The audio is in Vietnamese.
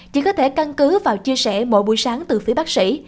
chỉ có thể căn cứ vào chia sẻ mỗi buổi sáng từ phía bác sĩ